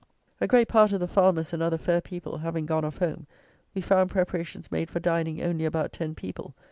A great part of the farmers and other fair people having gone off home, we found preparations made for dining only about ten people.